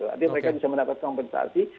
jadi mereka bisa mendapat kompensasi